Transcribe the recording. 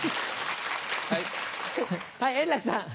はい円楽さん。